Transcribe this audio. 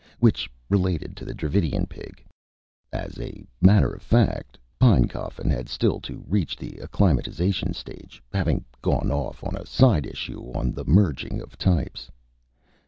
Which related to the Dravidian Pig. As a matter of fact, Pinecoffin had still to reach the acclimatization stage; having gone off on a side issue on the merging of types.